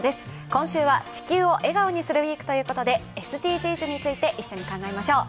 今週は「地球を笑顔にするＷＥＥＫ」ということでＳＤＧｓについて一緒に考えましょう。